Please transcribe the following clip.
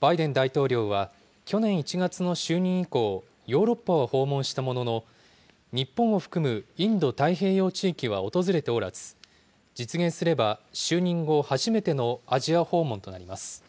バイデン大統領は、去年１月の就任以降、ヨーロッパは訪問したものの、日本を含むインド太平洋地域は訪れておらず、実現すれば就任後初めてのアジア訪問となります。